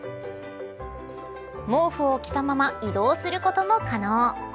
毛布を着たまま移動することも可能。